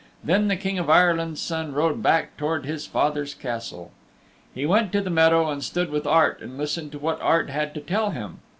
Then the King of Ireland's Son rode back towards his father's Castle. He went to the meadow and stood with Art and listened to what Art had to tell him.